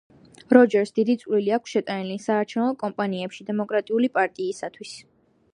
როჯერსს დიდი წვლილი აქვს შეტანილი, საარჩევნო კამპანიებში, დემოკრატიული პარტიისათვის.